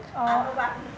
bukan menghidupi politik